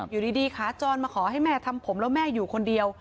อยู่ดีขาจรมาขอให้แม่ทำผมแล้วแม่อยู่คนเดียว